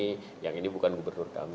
dan mengatakan bahwa inilah gubernur kami